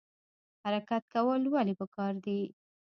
حرکت کول ولې پکار دي؟